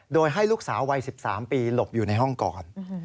โดยให้ลูกสาววัย๑๓ปีหลบอยู่ในห้องก่อน